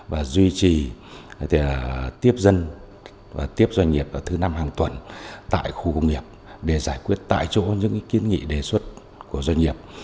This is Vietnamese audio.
và duy trì tiếp dân và tiếp doanh nghiệp ở thứ năm hàng tuần tại khu công nghiệp để giải quyết tại chỗ những kiến nghị đề xuất của doanh nghiệp